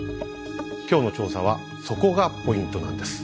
今日の調査はそこがポイントなんです。